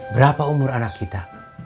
berapa umur anak kita